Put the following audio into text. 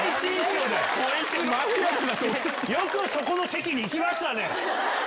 よくそこの席に行きましたね。